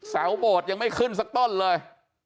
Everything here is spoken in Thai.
เสาโบดยังไม่ขึ้นสักต้นเลย